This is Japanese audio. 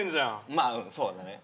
まあそうだね。